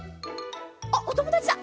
あっおともだちだ！